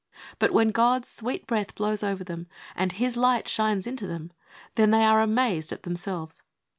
But when God's sweet breath blows over them and His light shines into them, then are they amazed at* themselves.